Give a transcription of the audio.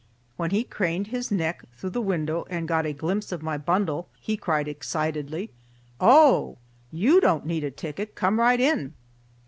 When he craned his neck through the window and got a glimpse of my bundle, he cried excitedly, "Oh! you don't need a ticket,—come right in."